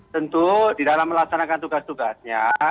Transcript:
tentu di dalam melaksanakan tugas tugasnya